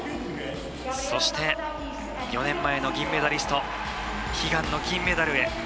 そして、４年前の銀メダリスト悲願の金メダルへ。